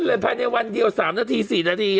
ขึ้นเลยพันแห่งวันเดียว๓นาที๔นาที